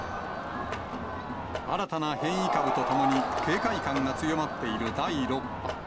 新たな変異株とともに警戒感が強まっている第６波。